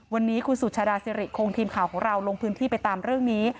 วันนี้คุณสุชาดาสิริคงทีมข่าวของเราลงพื้นที่ไปตามเรื่องนี้